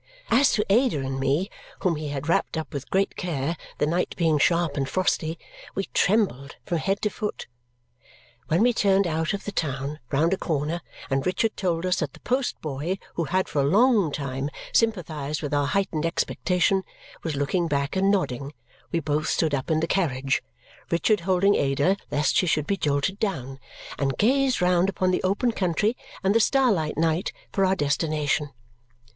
As to Ada and me, whom he had wrapped up with great care, the night being sharp and frosty, we trembled from head to foot. When we turned out of the town, round a corner, and Richard told us that the post boy, who had for a long time sympathized with our heightened expectation, was looking back and nodding, we both stood up in the carriage (Richard holding Ada lest she should be jolted down) and gazed round upon the open country and the starlight night for our destination.